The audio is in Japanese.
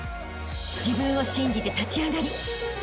［自分を信じて立ち上がりあしたへ